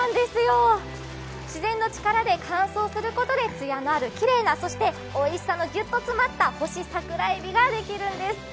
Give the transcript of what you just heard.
自然の力で乾燥することでつやのある、そしておいしさのギュッと詰まった干しさくらえびができるんです。